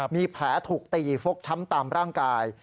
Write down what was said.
มีแผลถูกตีฟกช้ำตามร่างกาย